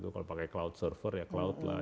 kalau pakai cloud server ya cloud lah